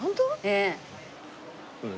ええ。